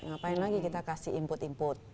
ngapain lagi kita kasih input input